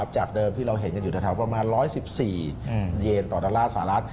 จากเดิมที่เราเห็นกันอยู่แถวประมาณ๑๑๔เยนต่อดอลลาร์สหรัฐ